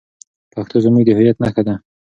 پښتو زموږ د هویت نښه ده.